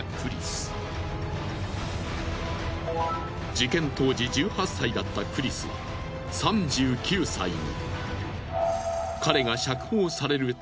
事件当時１８歳だったクリスは３９歳に。